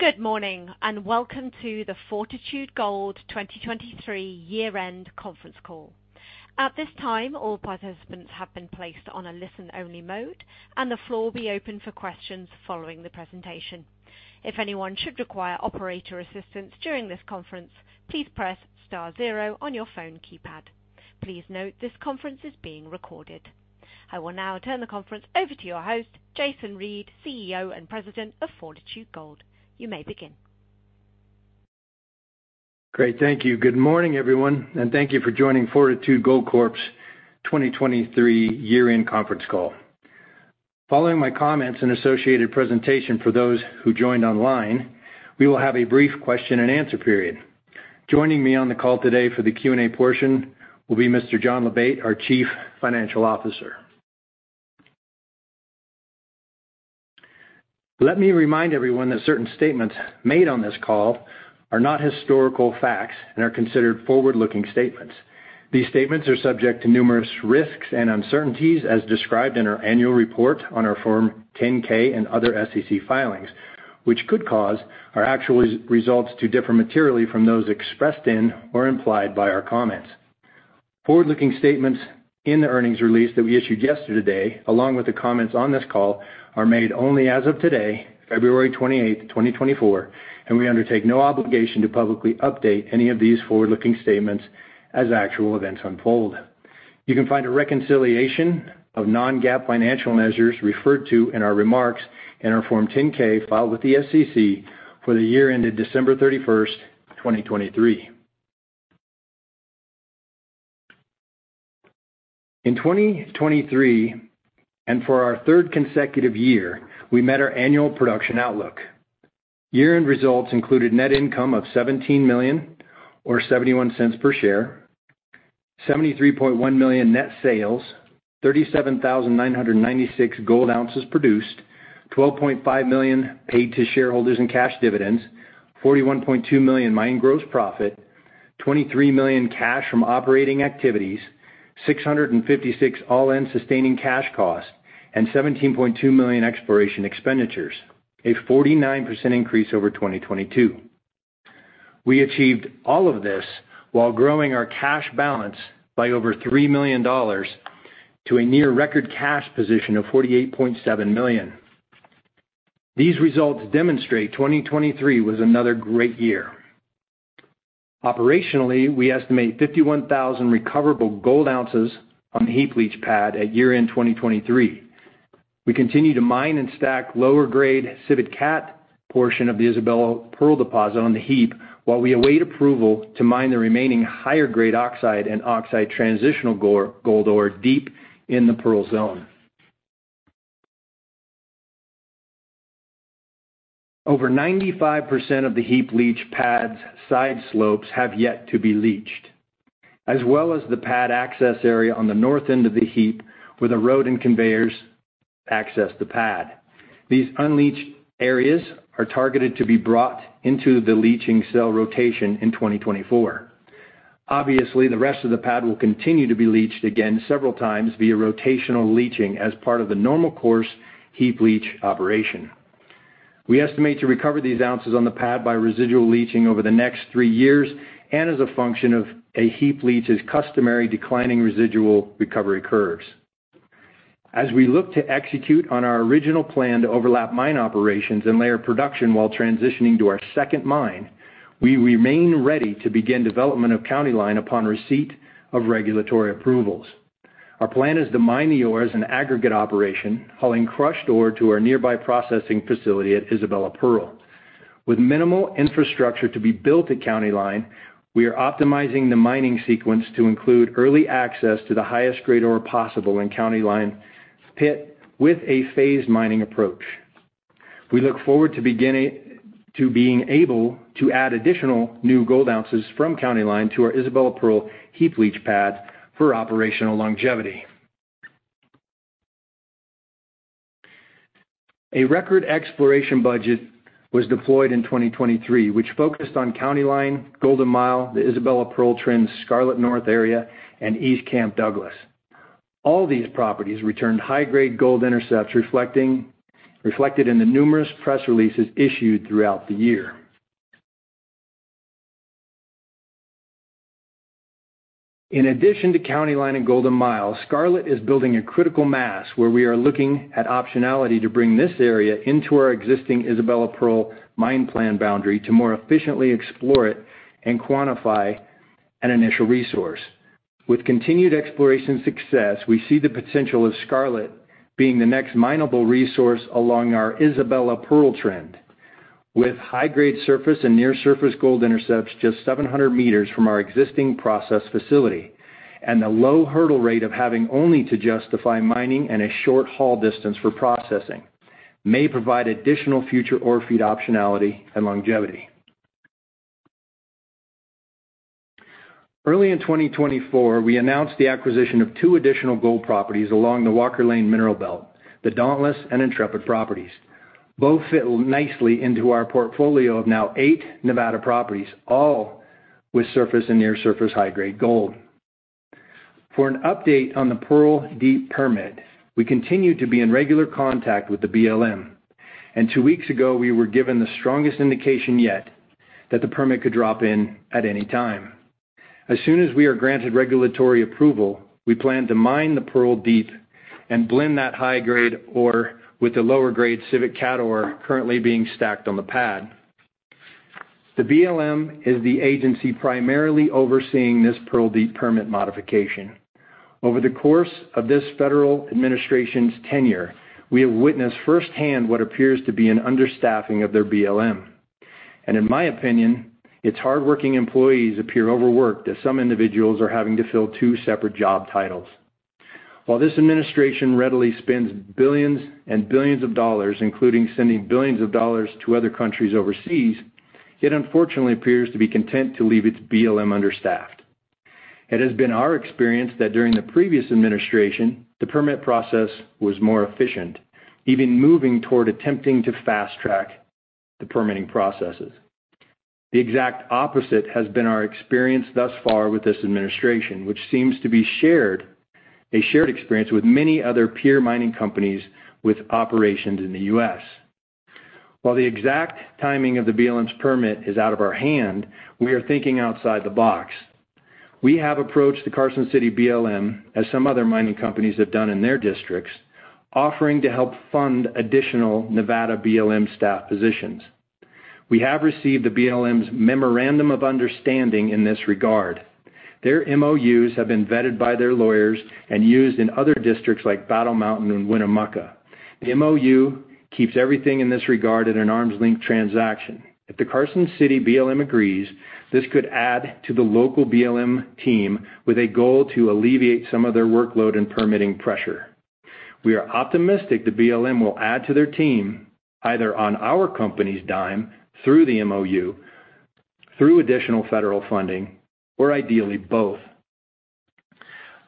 Good morning and welcome to the Fortitude Gold 2023 Year-End Conference Call. At this time all participants have been placed on a listen-only mode and the floor will be open for questions following the presentation. If anyone should require operator assistance during this conference, please press star zero on your phone keypad. Please note this conference is being recorded. I will now turn the conference over to your host, Jason Reid, CEO and President of Fortitude Gold. You may begin. Great. Thank you. Good morning everyone and thank you for joining Fortitude Gold Corp.'s 2023 Year-End Conference call following my comments and associated presentation. For those who joined online, we will have a brief question-and-answer period. Joining me on the call today for the Q&A portion will be Mr. John Labate, our Chief Financial Officer. Let me remind everyone that certain statements made on this call are not historical facts and are considered forward looking statements. These statements are subject to numerous risks and uncertainties as described in our annual report on our Form 10-K and other SEC filings which could cause our actual results to differ materially from those expressed in or implied by our comments. Forward-looking statements in the earnings release that we issued yesterday along with the comments on this call are made only as of today, February 28, 2024, and we undertake no obligation to publicly update any of these forward-looking statements as actual events unfold. You can find a reconciliation of non-GAAP financial measures referred to in our remarks in our Form 10-K filed with the SEC for the year ended December 31, 2023. In 2023 and for our third consecutive year, we met our annual production outlook. Year-end results included net income of $17 million or $0.71 per share, $73.1 million net sales, 37,996 gold ounces produced, $12.5 million paid to shareholders in cash dividends, $41.2 million mine gross profit, $23 million cash from operating activities, $656 all-in sustaining cash cost, and $17.2 million exploration expenditures, a 49% increase over 2022. We achieved all of this while growing our cash balance by over $3 million to a near-record cash position of $48.7 million. These results demonstrate 2023 was another great year. Operationally, we estimate 51,000 recoverable gold ounces on the heap leach pad at year end 2023. We continue to mine and stack lower grade Civic Cat portion of the Isabella Pearl deposit on the heap while we await approval to mine the remaining higher-grade oxide and oxide transitional gold ore deep in the Pearl zone. Over 95% of the heap leach pad's side slopes have yet to be leached as well as the pad access area on the north end of the heap where the road and conveyors access the pad. These un-leached areas are targeted to be brought into the leaching cell rotation in 2024. Obviously, the rest of the pad will continue to be leached again several times via Rotational Leaching as part of the normal course Heap Leach operation. We estimate to recover these ounces on the pad by Residual Leaching over the next three years and as a function of a Heap Leach's customary declining residual recovery curves. As we look to execute on our original plan to overlap mine operations and layer production while transitioning to our second mine, we remain ready to begin development of County Line upon receipt of regulatory approvals. Our plan is to mine the ore as an aggregate operation, hauling crushed ore to our nearby processing facility at Isabella Pearl. With minimal infrastructure to be built at County Line, we are optimizing the mining sequence to include early access to the highest grade ore possible in County Line Pit with a phased mining approach. We look forward to beginning to be able to add additional new gold ounces from County Line to our Isabella Pearl heap leach pads for operational longevity. A record exploration budget was deployed in 2023 which focused on County Line, Golden Mile, the Isabella Pearl Trend, Scarlet North Area and East Camp Douglas. All these properties returned high grade gold intercepts reflected in the numerous press releases issued throughout the year. In addition to County Line and Golden Mile, Scarlet is building a critical mass where we are looking at optionality to bring this area into our existing Isabella Pearl Mine Plan boundary to more efficiently explore it and quantify an initial resource. With continued exploration success, we see the potential of Scarlet being the next minable resource along our Isabella Pearl Trend with high grade surface and near surface gold intercepts just 700 meters from our existing process facility and the low hurdle rate of having only to justify mining and a short haul distance for processing may provide additional future ore feed optionality and longevity. Early in 2024 we announced the acquisition of 2 additional gold properties along the Walker Lane Mineral Belt. The Dauntless and Intrepid properties both fit nicely into our portfolio of now 8 Nevada properties all with surface and near surface high grade gold. For an update on the Pearl Deep permit, we continue to be in regular contact with the BLM and 2 weeks ago we were given the strongest indication yet that the permit could drop in at any time. As soon as we are granted regulatory approval, we plan to mine the Pearl Deep and blend that high-grade ore with the lower-grade sulfide ore currently being stacked on the pad. The BLM is the agency primarily overseeing this Pearl Deep permit modification. Over the course of this federal administration's tenure, we have witnessed firsthand what appears to be an understaffing of their BLM and in my opinion its hardworking employees appear overworked as some individuals are having to fill two separate job titles. While this administration readily spends billions and billions of dollars, including sending billions of dollars countries overseas, it unfortunately appears to be content to leave its BLM understaffed. It has been our experience that during the previous administration the permit process was more efficient, even moving toward attempting to fast-track the permitting processes. The exact opposite has been our experience thus far with this administration which seems to be shared experience with many other peer mining companies with operations in the U.S. while the exact timing of the BLM's permit is out of our hand, we are thinking outside the box. We have approached the Carson City BLM as some other mining companies have done in their districts, offering to help fund additional Nevada BLM staff positions. We have received the BLM's memorandum of understanding in this regard. Their MOUs have been vetted by their lawyers and used in other districts like Battle Mountain and Winnemucca. The MOU keeps everything in this regard in an arm's length transaction. If the Carson City BLM agrees, this could add to the local BLM team with a goal to alleviate some of their workload and permitting pressure. We are optimistic the BLM will add to their team either on our company's dime through the MOU, through additional federal funding, or ideally both.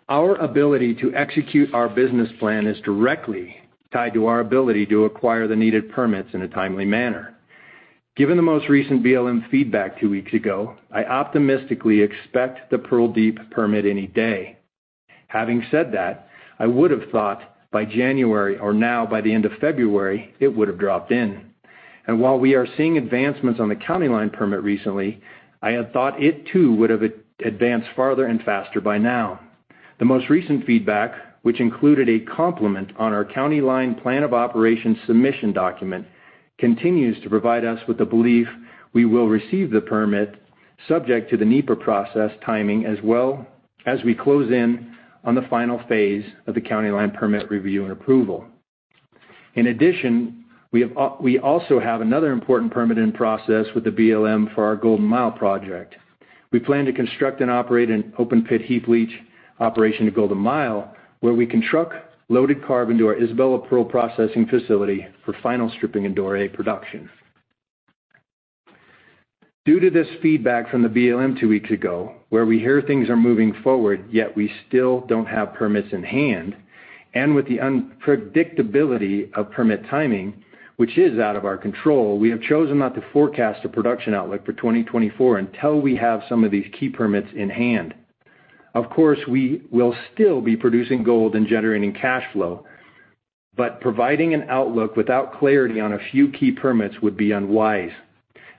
Our ability to execute our business plan is directly tied to our ability to acquire the needed permits in a timely manner. Given the most recent BLM feedback two weeks ago, I optimistically expect the Pearl Deep permit any day. Having said that, I would have thought by January or now by the end of February it would have dropped in. While we are seeing advancements on the County Line permit recently, I had thought it too would have advanced farther and faster by now. The most recent feedback, which included a compliment on our County Line Plan of Operations submission document, continues to provide us with the belief we will receive the permit subject to the NEPA process timing as well as we close in on the final phase of the County Line permit review and approval. In addition, we also have another important permit in process with the BLM for our Golden Mile project. We plan to construct and operate an open pit heap leach operation to Golden Mile where we can truck loaded carbon to our Isabella Pearl processing facility for final stripping and doré production due to this feedback from the BLM two weeks ago where we hear things are moving forward yet we still don't have permits in hand and with the unpredictability of permit timing which is out of our control, we have chosen not to forecast a production outlook for 2024 until we have some of these key permits in. Of course, we will still be producing gold and generating cash flow, but providing an outlook without clarity on a few key permits would be unwise,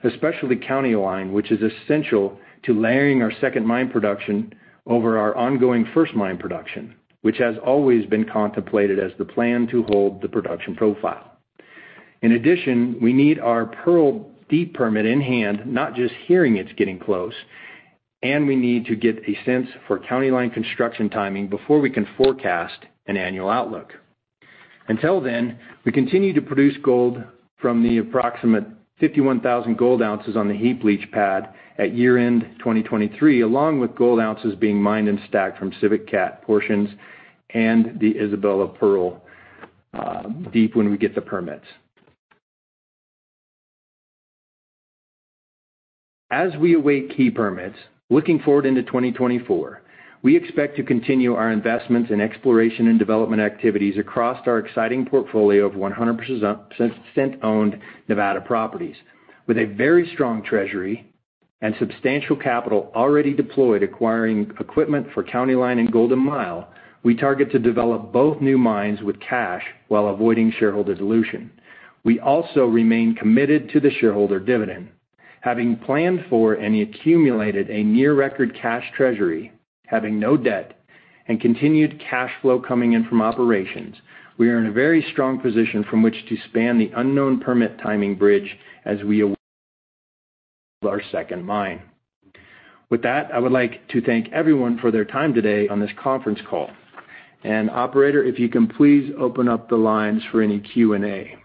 especially County Line which is essential to layering our second mine production over our ongoing first mine production which has always been contemplated as the plan to hold the production profile. In addition, we need our Pearl Deep permit in hand, not just hearing it's getting close to and we need to get a sense for County Line construction timing before we can forecast an annual outlook. Until then, we continue to produce gold from the approximate 51,000 gold ounces on the heap leach pad at year-end 2023 along with gold ounces being mined and stacked from Civic Cat portions and the Isabella Pearl Deep when we get the perm. As we await key permits looking forward into 2024, we expect to continue our investments in exploration and development activities across our exciting portfolio of 100 owned Nevada properties. With a very strong treasury and substantial capital already deployed acquiring equipment for County Line and Golden Mile, we target to develop both new mines with cash while avoiding shareholder dilution. We also remain committed to the shareholder dividend having planned for and accumulated a near record cash Treasury. Having no debt and continued cash flow coming in from operations, we are in a very strong position from which to span the unknown permit timing bridge as we build our second mine. With that I would like to thank everyone for their time today on this conference call and operator if you can please open up the lines for any Q&A.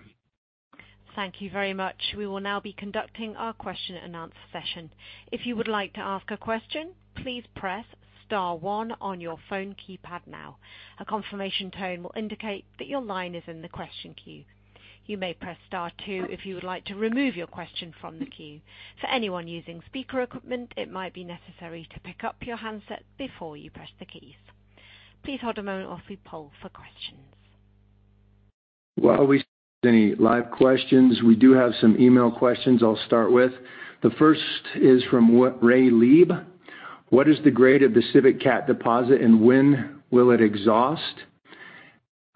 Thank you very much. We will now be conducting our question-and-answer session. If you would like to ask a question, please press star one on your phone keypad now. A confirmation tone will indicate that your line is in the question queue. You may press star two if you would like to remove your question from the queue. For anyone using speaker equipment, it might be necessary to pick up your handset before you press the keys. Please hold a moment while we poll for questions. While we await any live questions, we do have some email questions. I'll start with the first is from Ray Lieb. What is the grade of the Civic Cat deposit and when will it exhaust?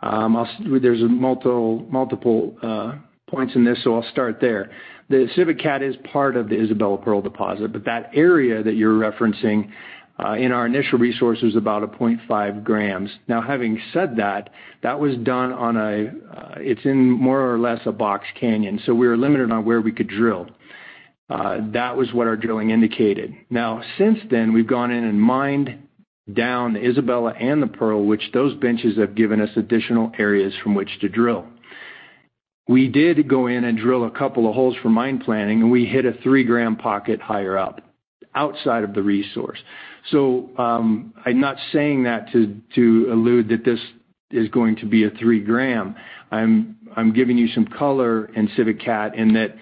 There's multiple points in this so I'll start there. The Civic Cat is part of the Isabella Pearl deposit, but that area that you're referencing in our initial resource is about a five. Now, having said that, that was done on a, it's in more or less a box canyon. We were limited on where we could drill. That was what our drilling indicated. Now, since then we've gone in and mined down Isabella and the Pearl, which those benches have given us additional areas from which to drill. We did go in and drill a couple of holes for mine planning and we hit a three gram pocket higher up outside of the resource. I'm not saying that to allude that this is going to be a three gram. I'm giving you some color in Civic Cat in that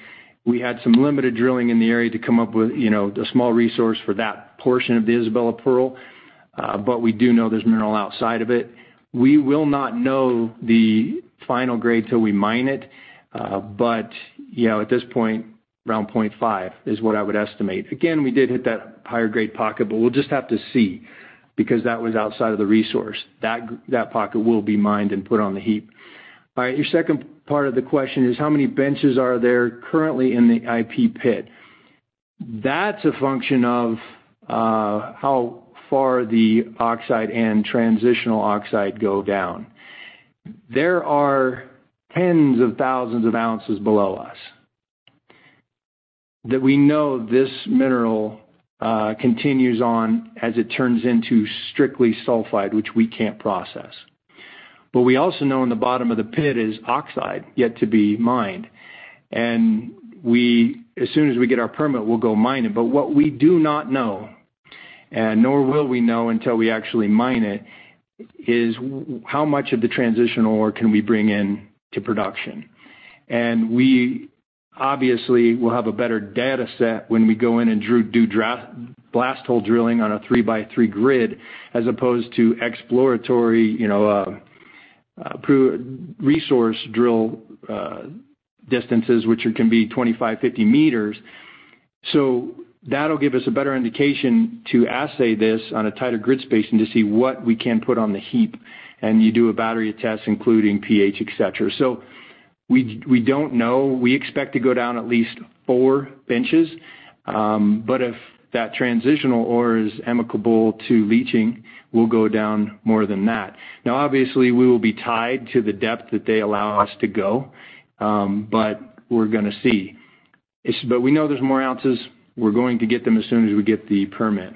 we had some limited drilling in the area to come up with a small resource for that portion of the Isabella Pearl. We do know there's mineral outside of it. We will not know the final grade till we mine it, but at this point, around 0.5 is what I would estimate. Again, we did hit that higher grade pocket, but we'll just have to see because that was outside of the resource, that pocket will be mined and put on the heap. All right, your second part of the question is how many benches are there currently in the IP pit? That's a function of how far the oxide and transitional oxide go down. There are tens of thousands of ounces below us that we know this mineral continues on as it turns into strictly sulfide, which we can't process. But we also know in the bottom of the pit is oxide yet to be mined. And as soon as we get our permit, we'll go mine it. But what we do not know, and nor will we know until we actually mine it, is how much of the transitional ore can we bring in to production. And we obviously will have a better data set when we go in and do blast hole drilling on a three by three grid, as opposed to exploratory resource drill distances, which can be 25, 50 meters. So that will give us a better indication to assay this on a tighter grid space and to see what we can put on the heap. And you do a battery test, including pH, et cetera. So we don't know. We expect to go down at least 4 benches. But if that transitional ore is amenable to leaching, we'll go down more than that. Now, obviously we will be tied to the depth that they allow us to go, but we're going to see. But we know there's more ounces. We're going to get them as soon as we get the permit.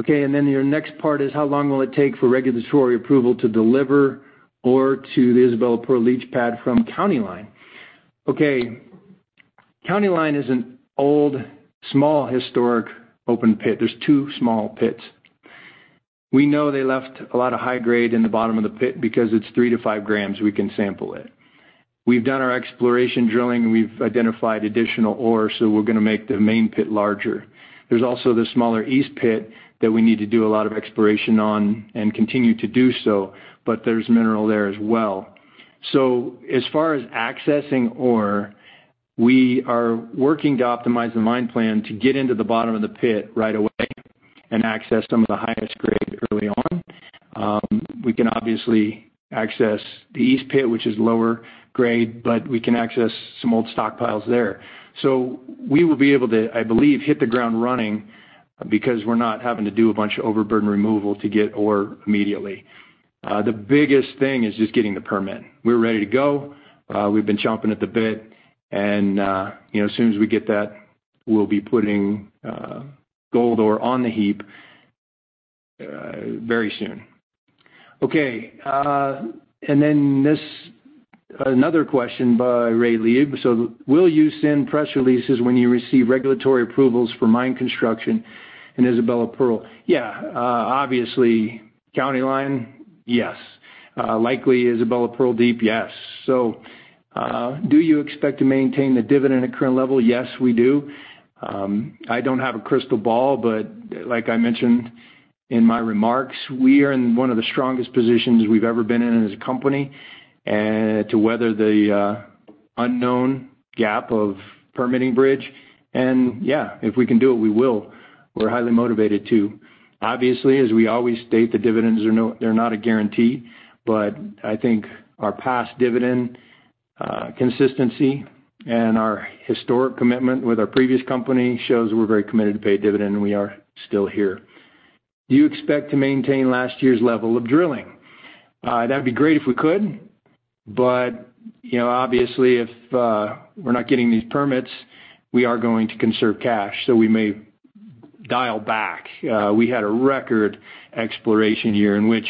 Okay. And then your next part is how long will it take for regulatory approval to deliver ore to the Isabella Pearl leach pad from County Line? Okay. County Line is an old, small, historic open pit. There's two small pits. We know they left a lot of high grade in the bottom of the pit because it's 3-5 grams. We can sample it. We've done our exploration drilling. We've identified additional ore. So we're going to make the main pit larger. There's also the smaller east pit that we need to do a lot of exploration on and continue to do so. But there's mineral there as well. So as far as accessing ore, we are working to optimize the mine plan to get into the bottom of the pit right away and access some of the highest grade early on. We can obviously access the east pit, which is lower grade, but we can access some old stockpiles there. So we will be able to, I believe, hit the ground running because we're not having to do a bunch of overburden removal to get ore immediately. The biggest thing is just getting the permit. We're ready to go. We've been chomping at the bit and, you know, as soon as we get that, we'll be putting gold ore on the heap very soon. Okay. And then this another question by Ray Lieb. So will you send press releases when you receive regulatory approvals for mine construction and Isabella Pearl? Yeah, obviously County Line. Yes, likely Isabella Pearl deep. Yes. So do you expect to maintain the dividend at current level? Yes, we do. I don't have a crystal ball, but like I mentioned in my remarks, we are in one of the strongest positions we've ever been in as a company to weather the unknown gap of permitting bridge. And yeah, if we can do it, we will. We're highly motivated to. Obviously, as we always state the dividends, they're not a guarantee. I think our past dividend consistency and our historic commitment with our previous company shows we're very committed to pay a dividend and we are still here. Do you expect to maintain last year's level of drilling? That would be great if we could, but, you know, obviously if we're not getting these permits, we are going to conserve cash. So we may dial back. We had a record exploration year in which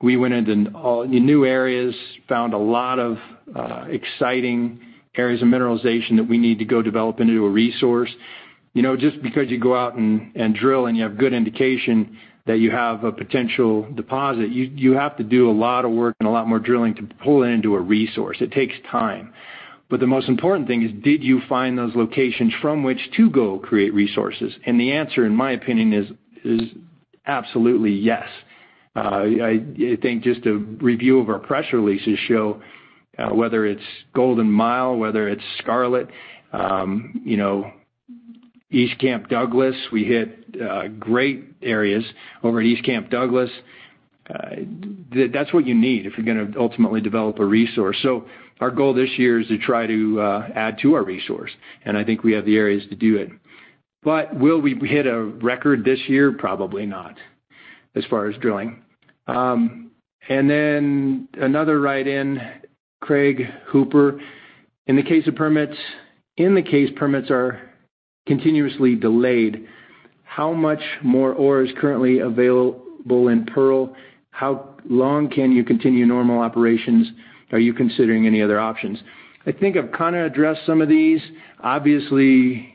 we went into new areas, found a lot of exciting areas of mineralization that we need to go develop into a resource. You know, just because you go out and drill and you have good indication that you have a potential deposit, you have to do a lot of work and a lot more drilling to pull it into a resource. It takes time. But the most important thing is did you find those locations from which to go create resources? And the answer in my opinion is absolutely yes. I think just a review of our press releases show whether it's Golden Mile, whether it's Scarlet, you know, East Camp Douglas, we hit great areas over at East Camp Douglas. That's what you need if you're going to ultimately develop a resource. So our goal this year is to try to add to our resource and I think we have the areas to do it. But will we hit a record this year? Probably not as far as drilling. And then another written in Craig Hooper, in the case of permits, in the case permits are continuously delayed, how much more ore is currently available in Pearl? How long can you continue normal operations? Are you considering any other options? I think I've kind of addressed some of these. Obviously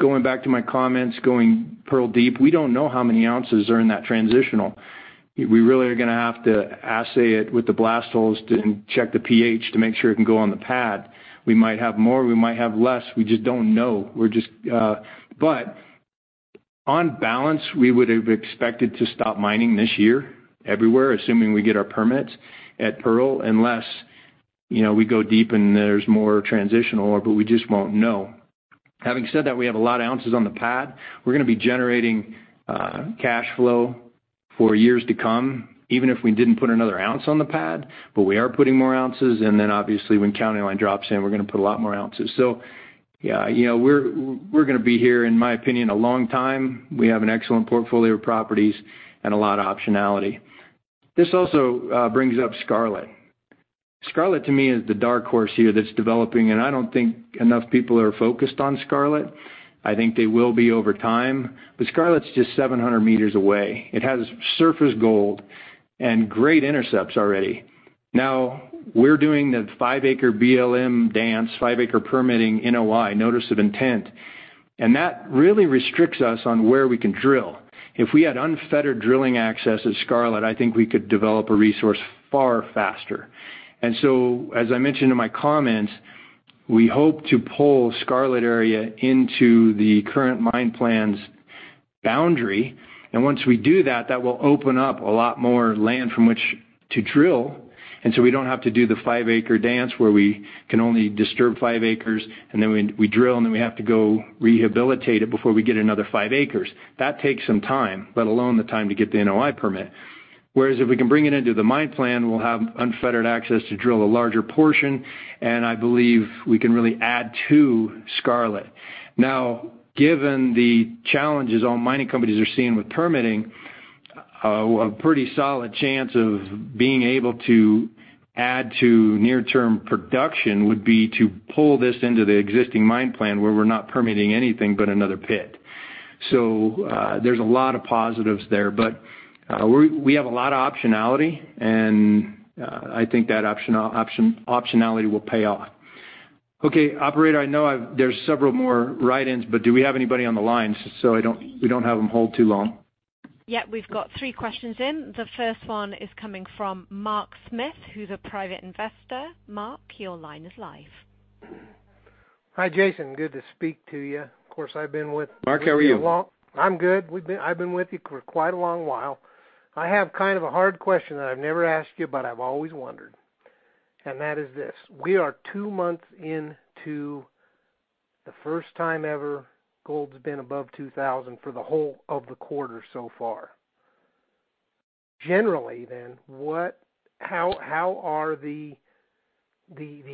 going back to my comments, going Pearl deep, we don't know how many ounces are in that transitional. We really are going to have to assay it with the blast holes and check the pH to make sure it can go on the pad. We might have more, we might have less, we just don't know. We're just. But on balance, we would have expected to stop mining this year everywhere, assuming we get our permits at Pearl. Unless we go deep and there's more transition or. But we just won't know. Having said that, we have a lot of ounces on the pad. We're going to be generating cash flow for years to come even if we didn't put another ounce on the pad. But we are putting more ounces and then obviously when County Line drops in, we're going to put a lot more ounces. So yeah, you know, we're going to be here in my opinion a long time. We have an excellent portfolio of properties and a lot of optionality. This also brings up Scarlet. Scarlet to me is the dark horse here that's developing and I don't think enough people are focused on Scarlet. I think they will be over time. But Scarlet's just 700 meters away. It has surface gold and great intercepts already. Now we're doing the 5-acre BLM dance. 5-acre permitting, NOI notice of intent and that really restricts us on where we can drill. If we had unfettered drilling access at Scarlet, I think we could develop a resource far faster. So as I mentioned in my comments, we hope to pull Scarlet Area into the current mine plans boundary. Once we do that, that will open up a lot more land from which to drill. So we don't have to do the five acre dance where we can only disturb five acres and then we drill and then we have to go rehabilitate it before we get another five acres. That takes some time, let alone the time to get the NOI permit. Whereas if we can bring it into the mine plan, we'll have unfettered access to drill a larger portion. And I believe we can really add to Scarlet South. Given the challenges all mining companies are seeing with permitting, a pretty solid chance of being able to add to near-term production would be to pull this into the existing mine plan where we're not permitting anything but another pit. So there's a lot of positives there, but we have a lot of optionality and I think that optionality will pay off. Okay, operator, I know there's several more write-ins but do we have anybody on the line so we don't have them hold too long? Yep. We've got three questions in. The first one is coming from Mark Smith who's a private investor. Mark, your line is live. Hi Jason. Good to speak to you. Of course I've been with Mark. How are you? I'm good. I've been with you for quite a long while. I have kind of a hard question that I've never asked you. But I've always wondered, and that is this. We are two months into the first time ever gold's been above 2000 for the whole of the quarter so far generally. Then what? How are the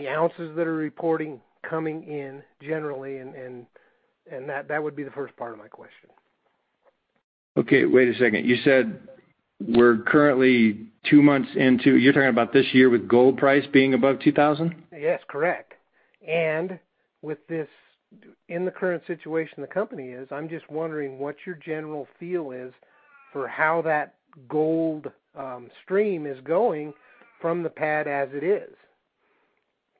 ounces that are reporting coming in generally? And that would be the first part of my question. Okay, wait a second. You said we're currently two months into. You're talking about this year with gold price being above $2,000. Yes. Correct. And with this in the current situation, the company is. I'm just wondering what your general feel is for how that gold stream is going from the pad as it is.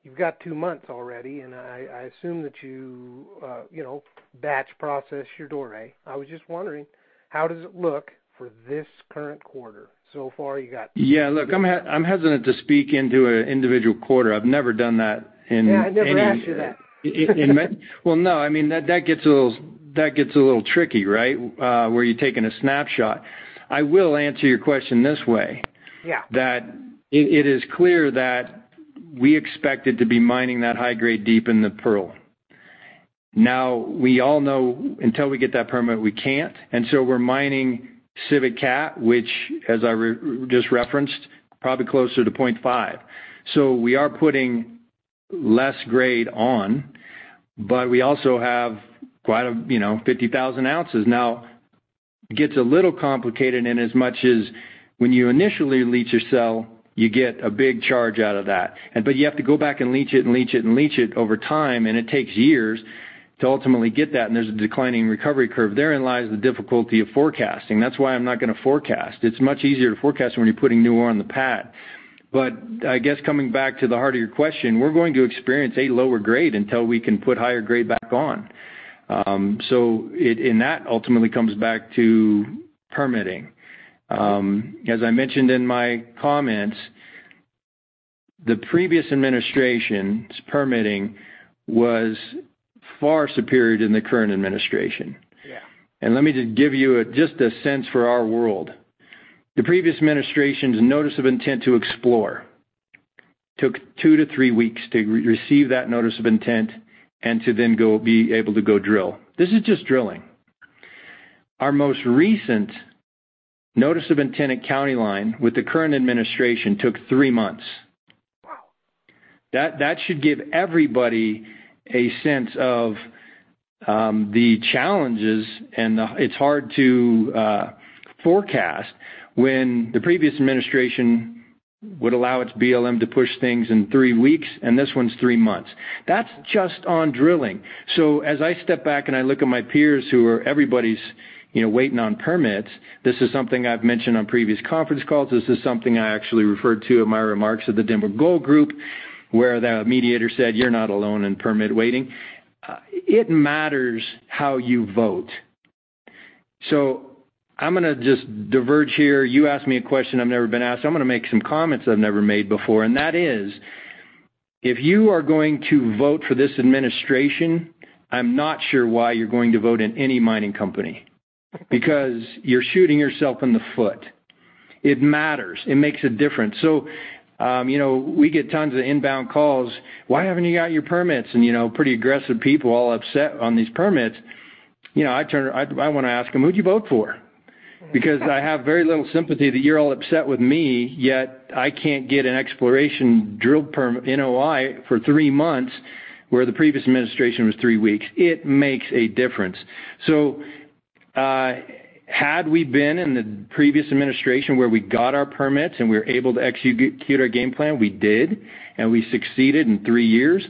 You've got two months already and I assume that you, you know, batch process your Doré. I was just wondering how does it look for this current quarter so far you got? Yeah, look, I'm hesitant to speak into an individual quarter. I've never done that in. Yeah, I never asked you that. Well, no, I mean that gets a little tricky right where you're taking a snapshot. I will answer your this way that it is clear that we expected to be mining that high grade deep in the Pearl. Now we all know until we get that permit. We can't. And so we're mining Civic Cat, which as I just referenced, probably closer to 0.5. So we are putting less grade on, but we also have quite a, you know, 50,000 ounces now gets a little complicated in as much as when you initially leach or sell, you get a big charge out of that, but you have to go back and leach it and leach it and leach it over time. And it takes years to ultimately get that. And there's a declining recovery curve. Therein lies the difficulty of forecasting. That's why I'm not going to forecast. It's much easier to forecast when you're putting new ore on the pad. But I guess coming back to the heart of your question, we're going to experience a lower grade until we can put higher grade back on. So that ultimately comes back to permitting. As I mentioned in my comments, the previous administration's permitting was far superior than the current administration. And let me just give you just a sense for our world. The previous administration's notice of intent to explore took 2-3 weeks to receive that notice of intent and to then go be able to go drill. This is just drilling. Our most recent notice of intent County Line with the current administration took 3 months. That should give everybody a sense of the challenges. It's hard to forecast when the previous administration would allow its BLM to push things in three weeks and this one's three months. That's just on drilling. So as I step back and I look at my peers who are everybody's, you know, waiting on permits, this is something I've mentioned on previous conference calls. This is something I actually referred to in my remarks at the Denver Gold Group where the mediator said, you're not alone in permit waiting. It matters how you vote. So I'm going to just diverge here. You asked me a question I've never been asked. I'm going to make some comments I've never made before, and that is if you are going to vote for this administration. I'm not sure why you're going to vote in any mining company because you're shooting yourself in the foot. It matters. It makes a difference. So, you know, we get tons of inbound calls. Why haven't you got your permits? And you know, pretty aggressive people all upset on these permits. You know, I turn, I want to ask them, who'd you vote for? Because I have very little sympathy that you're all upset with me. Yet I can't get an exploration drill permit NOI for 3 months where the previous administration was. 3 weeks. It makes a difference. So had we been in the previous administration where we got our permits and we were able to execute our game plan, we did. And we succeeded in 3 years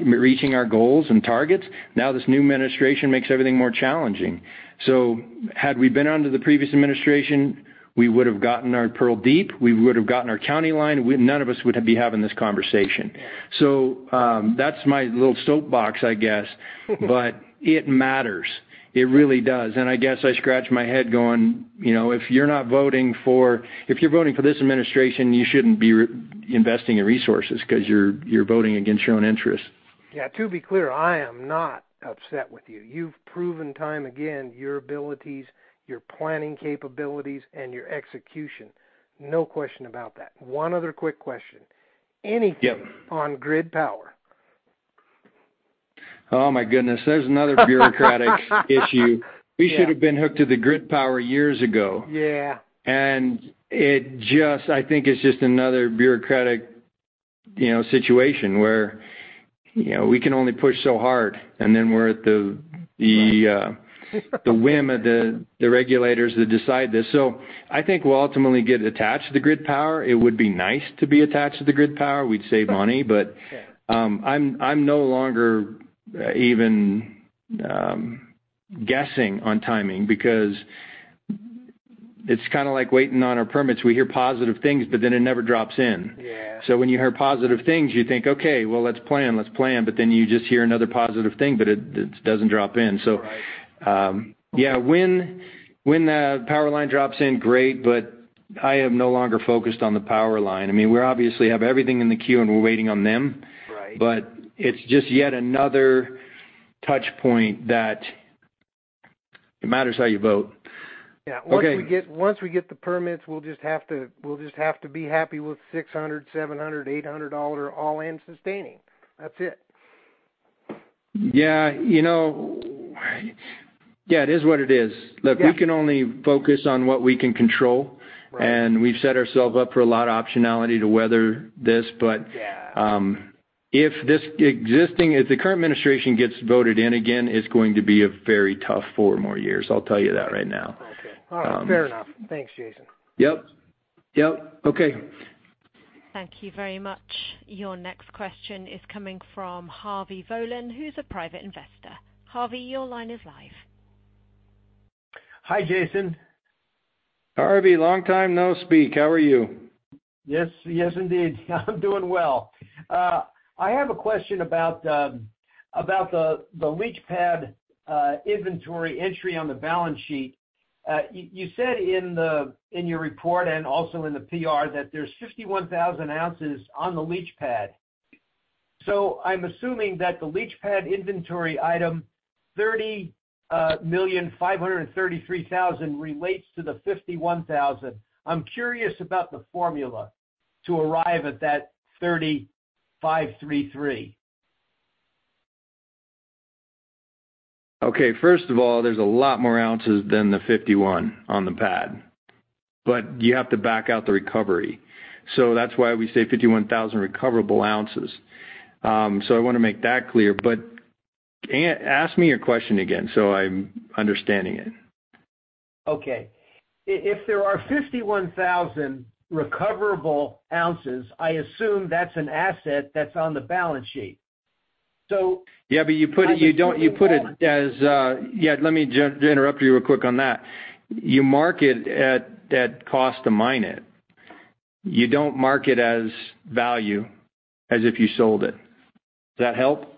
reaching our goals and targets. Now this new administration makes everything more challenging. So had we been under the previous administration, we would have gotten our Pearl Deep. We would have gotten our County Line. None of us would be having this conversation. So that's my little soapbox, I guess. But it matters. It really does. And I guess I scratch my head going, you know, if you're not voting for, if you're voting for this administration, you shouldn't be investing in resources because you're, you're voting against your own interests. Yeah. To be clear, I am not upset with you. You've proven time again your abilities, your planning capabilities and your execution. No question about that. One other quick question. Any on grid power? Oh, my goodness. There's another bureaucratic issue. We should have been hooked to the grid power years ago. And it just, I think it's just another bureaucratic, you know, situation where, you know, we can only push so hard and then we're at the whim of the regulators that decide this. So I think we'll ultimately get attached to the grid power. It would be nice to be attached to the grid power. We'd save money. But I'm no longer even guessing on timing because it's kind of like waiting on our permits. We hear positive things, but then it never drops in. So when you hear positive things, you think, okay, well, let's plan, let's plan. But then you just hear another positive thing, but it doesn't drop in. So, yeah, when the power line drops in, great. But I am no longer focused on the power line. I mean, we obviously have everything in the queue and we're waiting on them, but it's just yet another touch point that it matters how you vote. Once we get the permits, we'll just have to be happy with $600, $700, $800 all-in sustaining. That's it. You know. Yeah. It is what it is. Look, we can only focus on what we can control. We've set ourselves up for a lot of optionality to weather this. But if this existing, if the current administration gets voted in again, it's going to be a very tough four more years, I'll tell you that right now. Fair enough. Thanks, Jason. Thank you very much. Your next question is coming from Harvey Bolan, who's a private investor. Harvey, your line is live. Hi, Jason. Harvey, long time no speak. How are you? Yes, yes, indeed. I'm doing well. I have a question about the leach pad inventory entry on the balance sheet. You said in your report and also in the PR that there's 51,000 ounces on the leach pad. So I'm assuming that the leach pad inventory item $30,533,000 relates to the 51,000. I'm curious about the formula to arrive at that. $30,533,000. Okay, first of all, there's a lot more ounces than the 51 on the pad. But you have to back out the recovery. So that's why we say 51,000 recoverable ounces. So I want to make that clear. But ask me your question again so I'm understanding it. Okay. If there are 51,000 recoverable ounces, I assume that's an asset that's on the balance sheet, so. Yeah, but you put it as yet. Let me interrupt you real quick on that. You mark it at cost to mine it. You don't mark it as value as if you sold it. Does that help?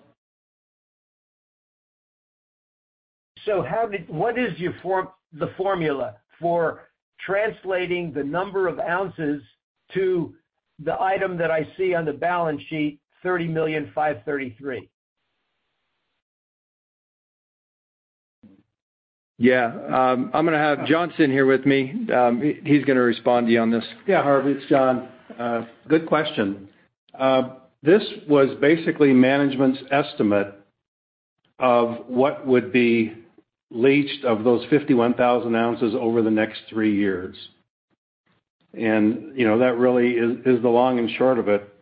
What is the formula for translating the number of ounces to the item that I see on the balance sheet? 30 million, 5.33. Yeah. I'm going to have John sitting here with me. He's going to respond to you on this. Yeah, Harvey, it's John. Good question. This was basically management's estimate of what would be leached of those 51,000 ounces over the next three years. And you know, that really is the long and short of it.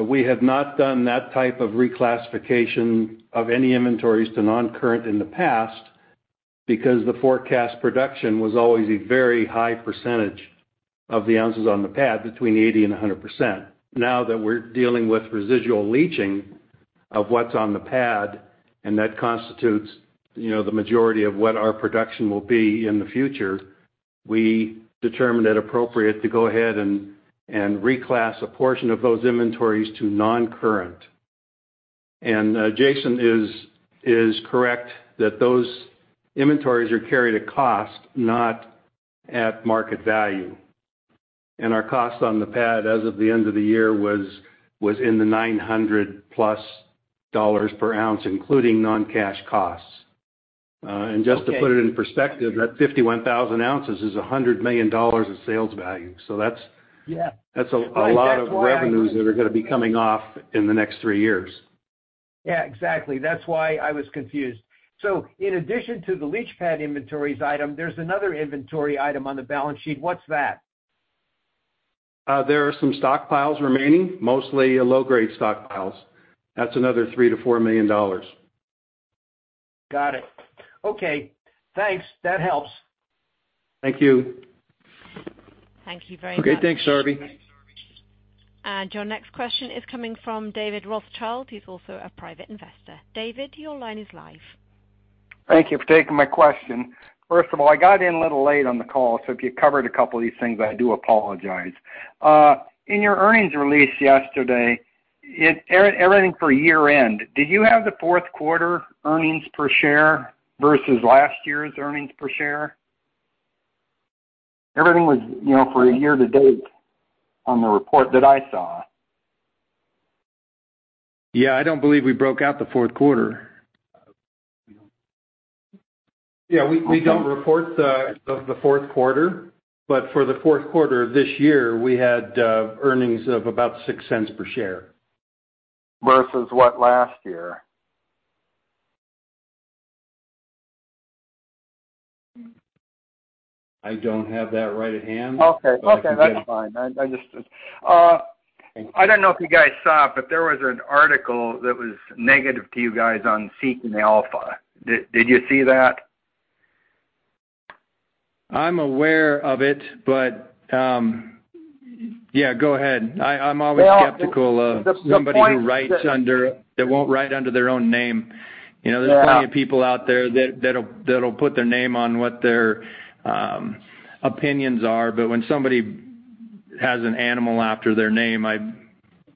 We have not done that type of reclassification of any inventories to noncurrent in the past because the forecast production was always a very high percentage of the ounces on the pad, between 80%-100%. Now that we're dealing with residual leaching of what's on the pad, and that constitutes, you know, the majority of what our production will be in the future. We determine it appropriate to go ahead and reclass a portion of those inventories to noncurrent. Jason is correct that those inventories are carried at cost, not at market value. Our cost on the pad as of the end of the year was in the $900+ per ounce, including non-cash costs. Just to put it in perspective, that 51,000 ounces is $100 million of sales value. So that's a lot of revenues that are going to be coming off in the next three years. Yeah, exactly. That's why I was confused. So in addition to the leach pad inventories item, there's another inventory item on the balance sheet. What's that? There are some stockpiles remaining, mostly low grade stockpiles. That's another $3 million-$4 million. Got it. Okay, thanks. That helps. Thank you. Thank you very much. Okay, thanks, Harvey. Your next question is coming from David Rothschild. He's also a private investor. David, your line is live. Thank you for taking my question. First of all, I got in a. Little late on the call, so if. You covered a couple of these things, I do apologize. In your earnings release yesterday, everything for year end, did you have the fourth quarter earnings per share versus last year's earnings per share? Everything was, you know, for a year to date. On the report that I saw. Yeah. I don't believe we broke out the fourth quarter. Yeah, we don't report the fourth quarter, but for the fourth quarter this year we had earnings of about $0.06 per share versus what last year? I don't have that right at hand. Okay. Okay. I don't know if you guys saw, but there was an article that was negative to you guys on Seeking Alpha. Did you see that? I'm aware of it, but yeah, go ahead. I'm always skeptical of somebody who writes under that, won't write under their own name. You know, there's plenty of people out there that'll, that'll put their name on what their opinions are. But when somebody has an animal after their name,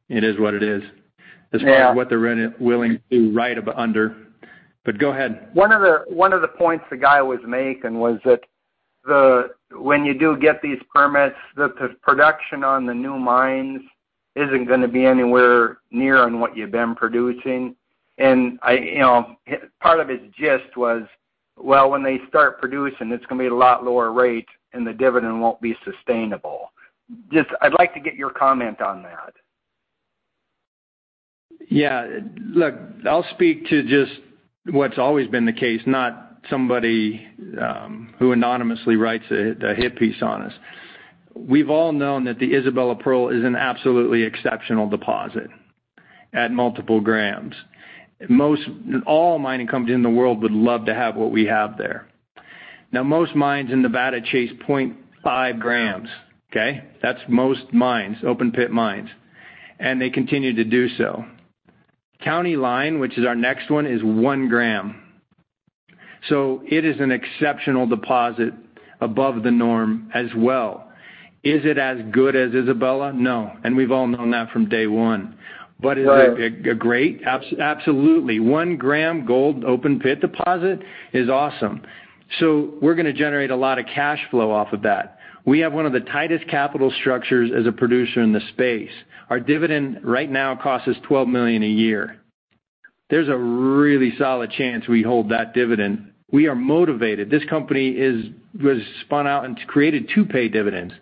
it is what it is as far as what they're willing to write under. But go ahead. One of the points the guy was making was that when you do get these permits, the production on the new mines going to be anywhere near what you've been producing. And part of his gist was, well, when they start producing, it's going to be a lot lower rate and the. Dividend won't be sustainable. I'd like to get your comment on that. Yeah, look, I'll speak to just what's always been the case, not somebody who anonymously writes a hit piece on us. We've all known that the Isabella Pearl is an absolutely exceptional deposit at multiple grams. Most all mining companies in the world would love to have what we have there now. Most mines in Nevada chase 0.5 grams. Okay, that's most mines, open pit mines, and they continue to do so. County Line, which is our next one, is 1 gram. So it is an exceptional deposit. Above the norm as well. Is it as good as Isabel? No. We've all known that from day one. But is it great? Absolutely. One gram gold open pit deposit is awesome. So we're going to generate a lot of cash flow off of that. We have one of the tightest capital structures as a producer in the space. Our dividend right now costs us $12 million a year. There's a really solid chance we hold that dividend. We are motivated. This company was spun out and created to pay dividends.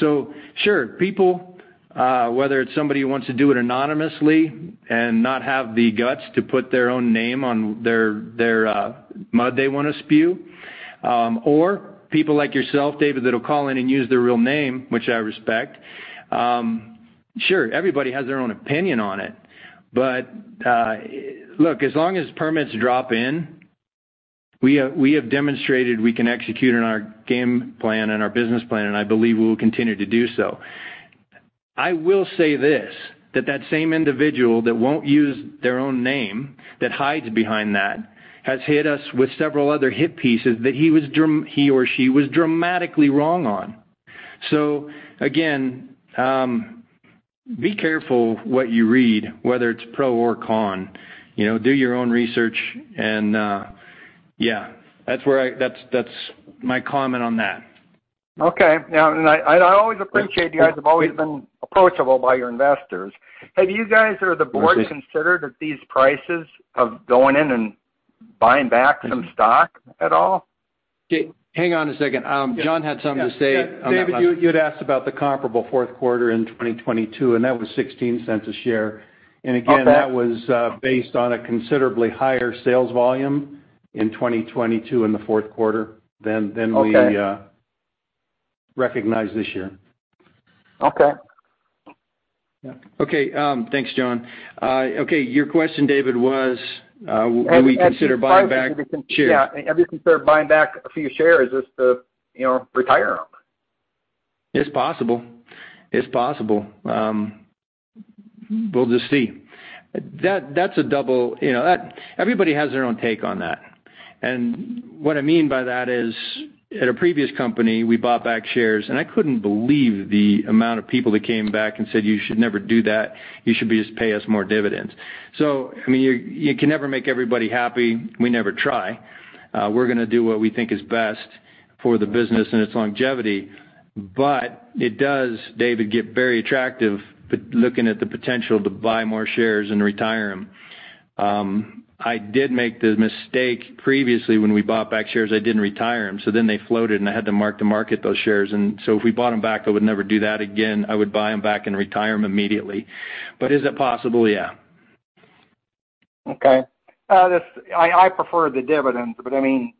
So, sure, people, whether it's somebody who wants to do it anonymously and not have the guts to put their own name on their mud they want to spew, or people like yourself, David, that will call in and use their real name, which I respect. Sure, everybody has their own opinion on it. But look, as long as permits drop in, we have demonstrated we can execute on our game plan and our business plan. And I believe we will continue to do so. I will say this, that that same individual that won't use their own name, that hides behind that, has hit us with several other hit pieces that he or she was dramatically wrong on. So again, be careful what you read, whether it's pro or con. You know, do your own research. And yeah, that's my comment on that. Okay. I always appreciate you guys have always been approachable by your investors. Have you guys or the board considered that these prices of going in and buying back some stock at all? Hang on a second. John had something to say. David, you had asked about the comparable fourth quarter in 2022, and that was $0.16 a share. And again, that was based on a considerably higher sales volume in 2022 in the fourth quarter than we recognize this year. Okay. Okay. Thanks, John. Okay. Your question, David, was will we consider buying back. Have you considered buying back a few shares just to retire them? It's possible. It's possible. We'll just see. That's a double. You know, everybody has their own take on that. And what I mean by that is at a previous company, we bought back shares. And I couldn't believe the amount of people that came back and said, you should never do that. You should just pay us more dividends. So, I mean, you can never make everybody happy. We never try. We're going to do what we think is best for the business and its longevity. But it does, David, get very attractive looking at the potential to buy more shares and retire them. I did make the mistake previously when we bought back shares. I didn't retire them. So then they floated and I had to mark to market those shares. And so if we bought them back. I would never do that again. I would buy them back and retire them immediately. But is it possible? Yeah, okay. I prefer the dividends, but I mean,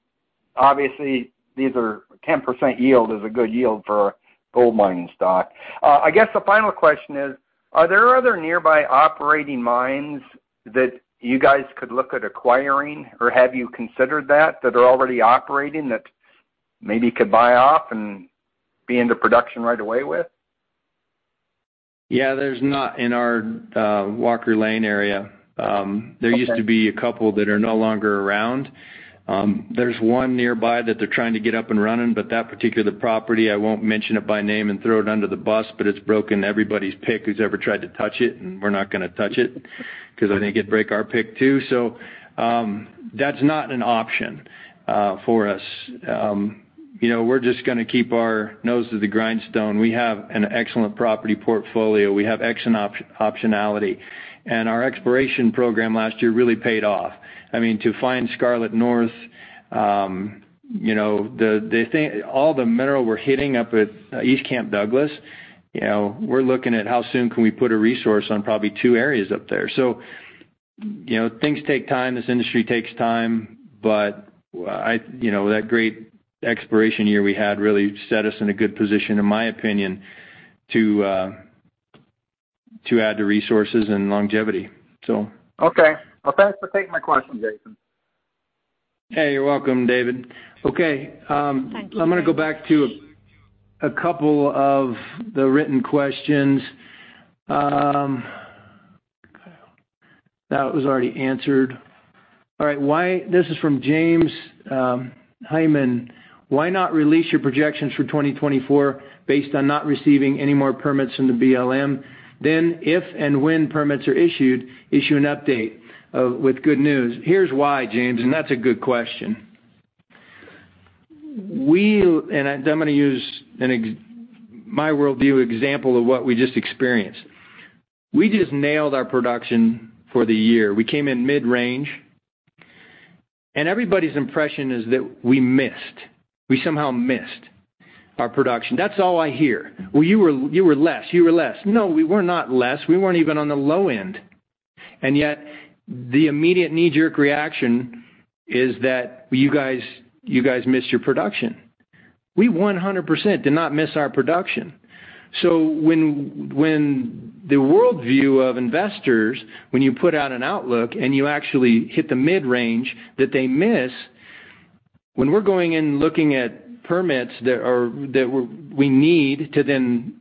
obviously these are 10% yield is a good yield for gold mining stock. I guess the final question is, are there other nearby operating mines that you guys could look at acquiring or have you considered that that are already operating that maybe could buy off and be. Into production right away with. Yeah, there's not. In our Walker Lane area there used to be a couple that are no longer around. There's one nearby that they're trying to get up and running. But that particular property, I won't mention it by name in the throw it under the bus, but it's broken everybody's pick who's ever tried to touch it and we're not going to touch it because I think it'll break our pick too. So that's not an option for us. You know, we're just going to keep our nose to the grindstone. We have an excellent property portfolio, we have excellent optionality and our exploration program last year really paid off. I mean to find Scarlet North, you know, all the mineral we're hitting up at East Camp Douglas, you know, we're looking at how soon can we put a resource on probably two areas up there. So, you know, things take time, this industry takes time. But you know, that great exploration year we had really set us in a good position in my opinion to add to resources and longevity. So. Okay, well, thanks for taking my question, Jason. Hey, you're welcome, David. Okay, I'm going to go back to a couple of the written questions. That was already answered. All right, this is from James Hyman. Why not release your projections for 2024 based on not receiving any more permits from the BLM? Then if and when permits are issued, issue an update with good news. Here's why James, and that's a good question. We, and I'm going to use my worldview example of what we just experienced. We just nailed our production for the year. We came in mid range and everybody's impression is that we missed, we somehow missed our production. That's all I hear. Well, you were less, you were less. No, we were not less. We weren't even on the low end. And yet the immediate knee jerk reaction is that you guys missed your production. We 100% did not miss our production. So when the worldview of investors, when you put out an outlook and you actually hit the mid range that they miss. When we're going in looking at permits that we need to then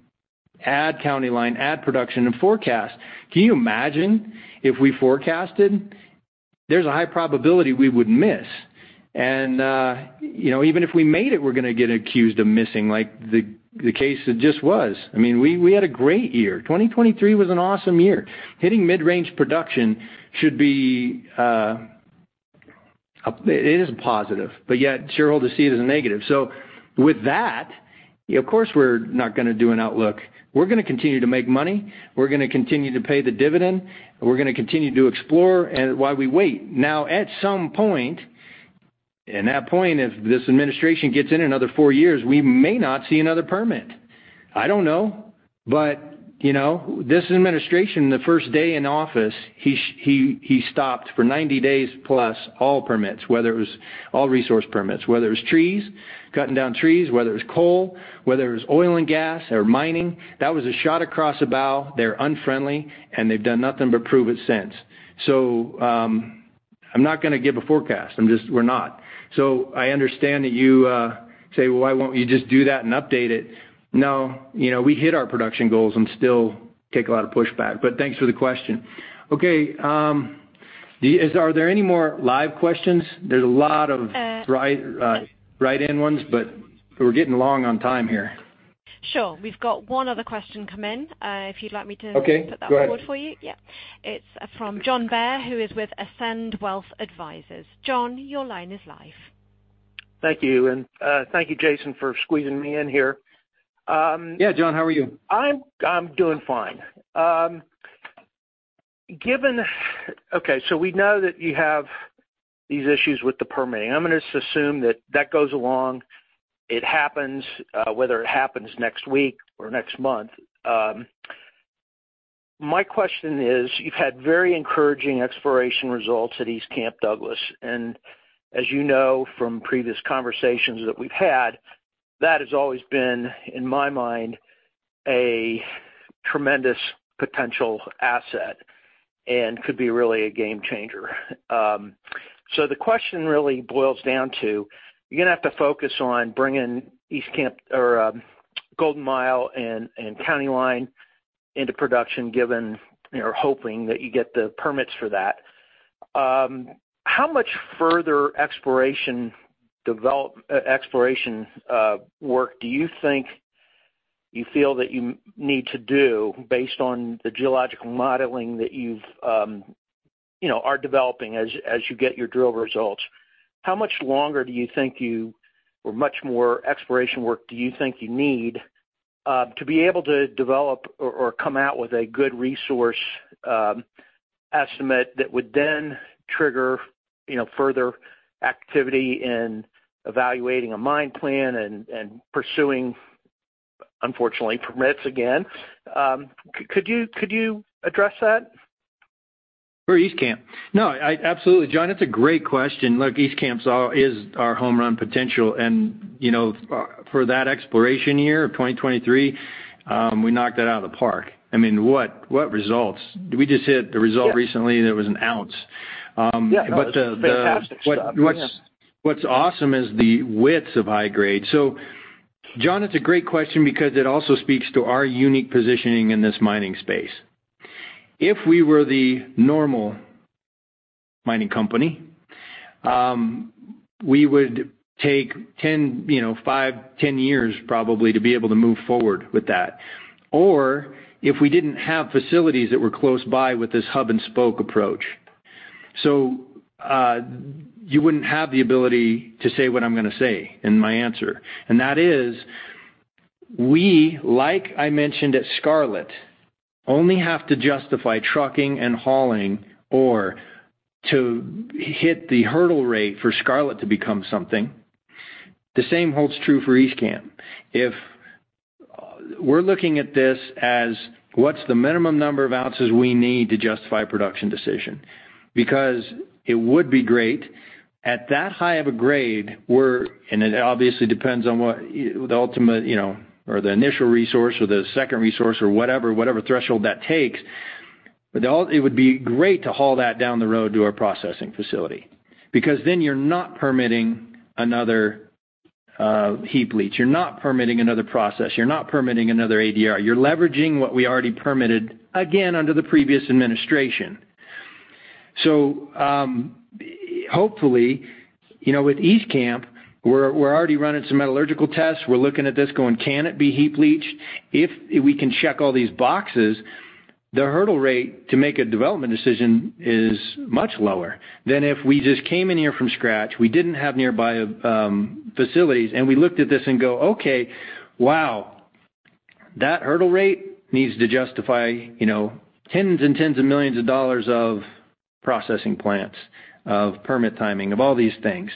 add County Line, add production and forecast. Can you imagine if we forecasted there's a high probability we would miss and you know, even if we made it, we're going to get accused of missing like the case just was. I mean we had a great year. 2023 was an awesome year. Hitting mid-range. Production should be, it is positive but yet shareholders see it as negative. So with that, of course we're not going to do an outlook. We're going to continue to make money, we're going to continue to pay the dividend, we're going to continue to explore and why we wait now at some point in that point, if this administration gets in another four years, we may not see another permit, I don't know. But you know, this administration, the first day in office, he stopped for 90 days + all permits, whether it was all resource permits, whether it's trees, cutting down trees, whether it's coal, whether it's oil and gas or mining, that was a shot across the bow. They're unfriendly and they've done nothing but prove it since. So I'm not going to give a forecast. I'm just. We're not. So I understand that you say, why won't you just do that and update it? No, you know, we hit our production goals and still take a lot of pushback. But thanks for the question. Are there any more live questions? There are a lot of written-in ones but we're getting long on time here. Sure. We've got one other question come in if you'd like me to put that forward for you. It's from John Baer, who is with Ascend Wealth Advisors. John, your line is live. Thank you. Thank you, Jason, for squeezing me in here. John, how are you? I'm doing fine. Given. Okay. So we know that you have these issues with the permitting. I'm going to assume that that goes along. It happens whether it happens next week or next month. My question is you've had very encouraging exploration results at East Camp Douglas. And as you know from previous conversations that we've had, that has always been in my mind a tremendous potential asset and could be really a game changer. So the question really boils down to you're going to have to focus on bringing East Camp or Golden Mile and County Line into production. Given or hoping that you get the permits for that. How much further exploration, exploration work do you think you feel that you need to do based on the geological modeling that you know are developing as you get your drill results? How much longer do you think you. Much more exploration work, do you think you need to be able to develop or come out with a good resource estimate that would then trigger, you know, further activity in evaluating a mine plan and pursuing, unfortunately, permits again? Could you address that for East Camp? No, absolutely, John. It's a great question. Look, East Camp is our home run potential. And you know, for that exploration year of 2023, we knocked that out of the park. I mean, what, what results we just hit the result recently there was an ounce. What's awesome is the widths of high grade. So, John, it's a great question because it also speaks to our unique positioning in this mining space. If we were the normal mining company, we would take 10, you know, 5, 10 years probably to be able to move forward with that or if we didn't have facilities that were close by with this hub and spoke approach. So you wouldn't have the ability to say what I'm going to say in my answer. And that is we, like I mentioned at Scarlet, only have to justify trucking and hauling or to hit the hurdle rate for Scarlet to become something. The same holds true for each camp. If we're looking at this as what's the minimum number of ounces we need to justify a production decision because it would be great at that high of a grade. And it obviously depends on what the ultimate, you know, or the initial resource or the second resource or whatever, whatever threshold that takes. It would be great to haul that down the road to our processing facility because then you're not permitting another heap leach, you're not permitting another process, you're not permitting another ADR. You're leveraging what we already permitted again under the previous administration. So hopefully, you know, with East Camp, we're already running some metallurgical tests. We're looking at this going, can it be heap leached? If we can check all these boxes, the hurdle rate to make a development decision is much lower than if we just came in here from scratch. We didn't have nearby facilities. And we looked at this and go, okay, wow, that hurdle rate needs to justify, you know, tens and tens of $ millions of processing plants of permit timing of all these things.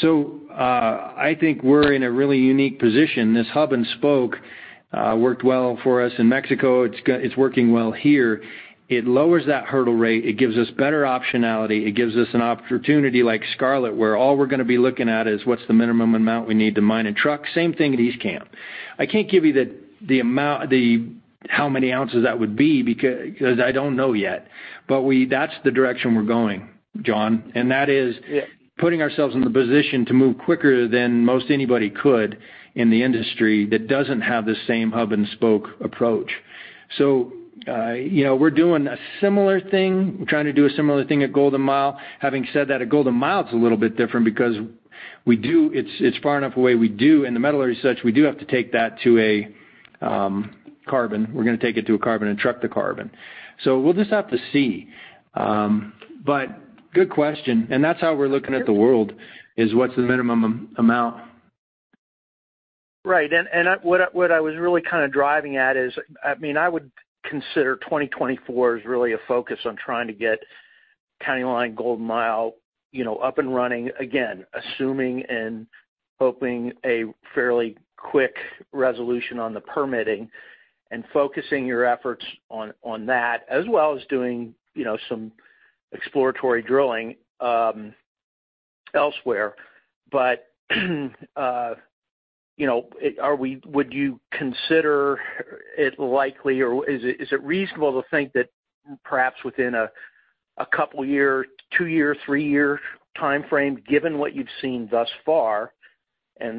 So I think we're in a really unique position. This hub and spoke worked well for us in Mexico. It's working well here. It lowers that hurdle rate. It gives us better optionality. It gives us an opportunity, opportunity like Scarlet, where all we're going to be looking at is what's the minimum amount we need to mine and truck same thing at East Camp. I can't give you how many ounces that would be because I don't know yet. But that's the direction we're going, John. And that is putting ourselves in the position to move quicker than most anybody could in the industry that doesn't have the same hub and spoke approach. So you know, we're doing a similar thing. We're trying to do a similar thing at Golden Mile. Having said that, Golden Mile is a little bit different because we do. It's far enough away. We're in the Mina area. So we do have to take that to a carbon. We're going to take it to a carbon and truck the carbon. So we'll just have to see. But good question, and that's how we're looking at the world is what's the minimum amount? Right. And what I was really kind of driving at is I mean I would consider 2024 is really a focus on trying to get County Line Golden Mile, you know, up and running again, assuming and hoping a fairly quick resolution on the permitting and focusing your efforts on that as well as doing, you know, some exploratory drilling elsewhere. But you know, are we. Would you consider it likely or is it reasonable to think that perhaps within a couple year, 2-year, 3-year timeframe given what you've seen thus far and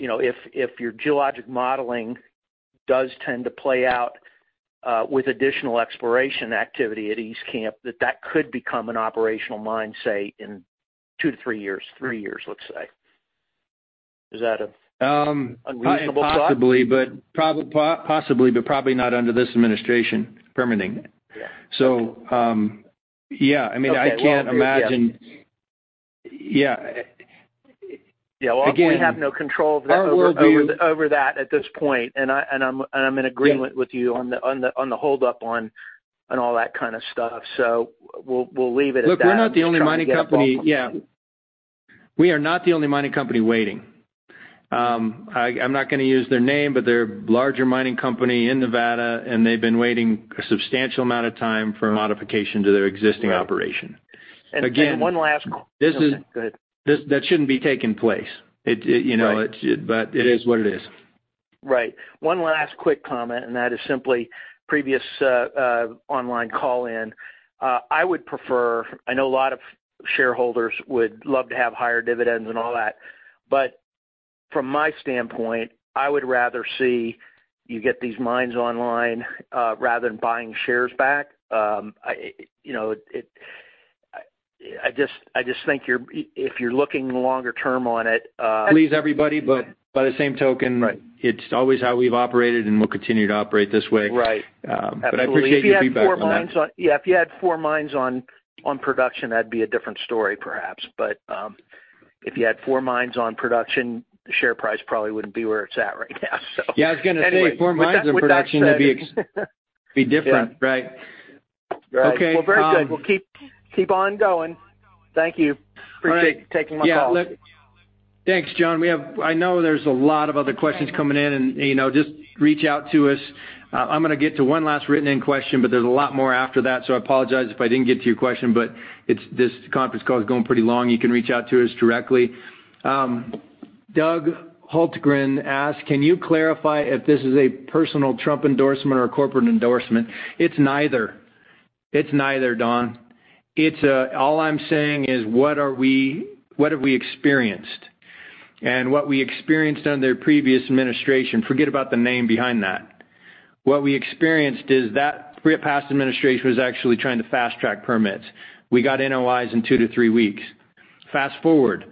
if your geologic modeling does tend to play out with additional exploration activity at East Camp that that could become an operational mine say in 2-3 years, 3 years let's say. Is that possibly? But possibly, but probably not under this administration permitting. So yeah, I mean, I can't imagine. Yeah, yeah, we have no control over that at this point, and I'm in agreement with you on the hold up and all that kind of stuff. So we'll leave it. Look, we're not the only mining company. Yeah, we are not the only mining company waiting. I'm not going to use their name but they're larger mining company in Nevada and they've been waiting a substantial amount of time for modification to their existing operation. Again, one last. That shouldn't be taking place but it is what it is. Right. One last quick comment. And that is simply previous online call-in. I would prefer, I know a lot of shareholders would love to have higher dividends and all that, but from my standpoint I would rather see you get these mines online rather than buying shares back. You know. I just think you're, if you're looking longer term on it, please, everybody. But by the same token, it's always how we've operated and we'll continue to operate this way. Right? If you had four mines on production, that'd be a different story. Perhaps. But if you had four mines on production, the share price probably wouldn't be where it's at right now. Yeah, I was going to say four mines in production be different. Right. Okay. Well, very good. We'll keep on going. Thank you. Thanks, John. We have, I know there's a lot of other questions coming in and you know, just reach out to us. I'm going to get to one last written in question, but there's a lot more after that. So I apologize if I didn't get to your question. But it's this conference call is going pretty long. You can reach out to us directly. Don Hultgren asks, can you clarify if this is a personal Trump endorsement or corporate endorsement? It's neither. It's neither, Don. It's all I'm saying is what are we, what have we experienced and what we experienced under previous administration. Forget about the name behind that. What we experienced is that past administration was actually trying to fast track permits. We got NOIs in 2-3 weeks. Fast forward,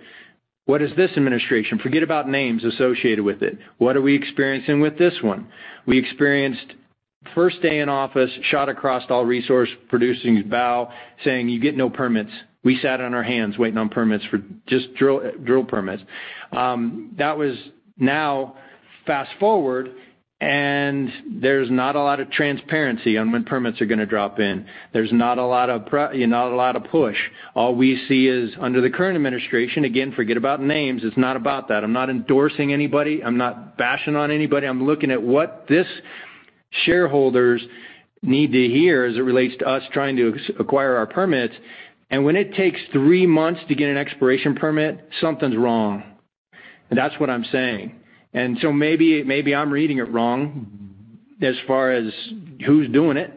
what is this administration? Forget about names associated with it. What are we experiencing with this one? We experienced first day in office, shot across all resource producing bow saying you get no permits. We sat on our hands waiting on permits for just drill permits. That was now fast forward and there's not a lot of transparency on when permits are going to drop in. There's not a lot of push. All we see is under the current administration, again, forget about names. It's not about that. I'm not in anybody. I'm not bashing on anybody. I'm looking at what this shareholders need to hear as it relates to us trying to acquire our permits. And when it takes three months to get an exploration permit, something's wrong. That's what I'm saying. And so maybe I'm reading it wrong as far as who's doing it,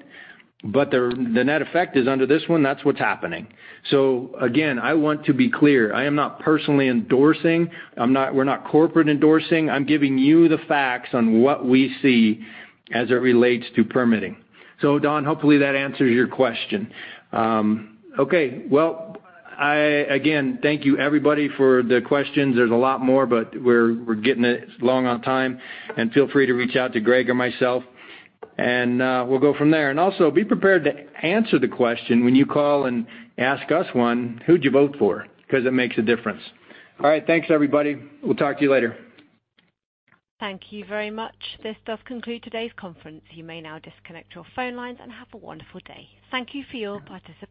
but the net effect is under this one. That's what's happening. So again, I want to be clear. I am not personally endorsing, we're not corporate endorsing. I'm giving you the facts on what we see as it relates to permitting. So Don, hopefully that answers your question. Okay, well again, thank you everybody for the questions. There's a lot more, but we're getting long on time and feel free to reach out to Greg or myself and we'll go from there. And also be prepared to answer the question when you call and ask us one who'd you vote for? Because it makes a difference. All right, thanks, everybody. We'll talk to you later. Thank you very much. This does conclude today's conference. You may now disconnect your phone lines and have a wonderful day. Thank you for your participation.